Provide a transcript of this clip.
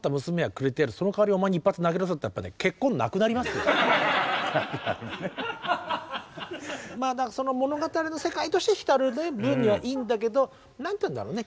そのかわりお前一発殴らせろってその物語の世界として浸る分にはいいんだけど何て言うんだろうね